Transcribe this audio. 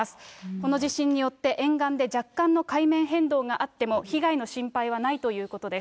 この地震によって若干の海面変動があっても、被害の心配はないということです。